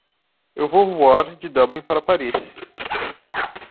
Eu vou voar de Dublin para Paris.